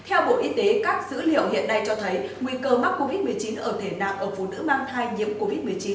theo bộ y tế các dữ liệu hiện nay cho thấy nguy cơ mắc covid một mươi chín ở thể nặng ở phụ nữ mang thai nhiễm covid một mươi chín